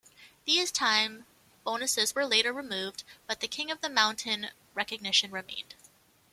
These time bonuses were later removed, but the King of the Mountain recognition remained.